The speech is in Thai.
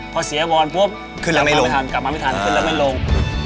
พอเสียบอลปุ๊บขึ้นแล้วไม่ลง